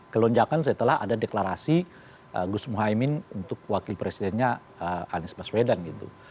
kelonjakan setelah ada deklarasi gus muhaymin untuk wakil presidennya anies baswedan gitu